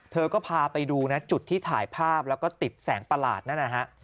เธอก็พาไปดูนะจุดที่ถ่ายภาพแล้วก็ติดแสงประหลาดนั่นนะฮะ